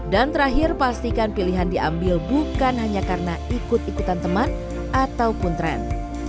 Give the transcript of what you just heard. dan terakhir pastikan pilihan diambil bukan hanya karena ikut ikutan teman ataupun tren